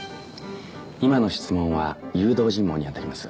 今の質問は誘導尋問に当たります。